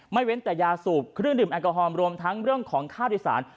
เว้นแต่ยาสูบเครื่องดื่มแอลกอฮอล์รวมทั้งเรื่องของค่าโดยสาร